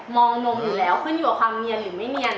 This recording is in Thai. มองลงอยู่แล้วขึ้นอยู่กับความเนียนหรือไม่เนียน